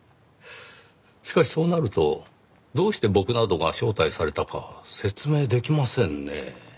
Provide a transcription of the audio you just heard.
しかしそうなるとどうして僕などが招待されたか説明できませんねぇ。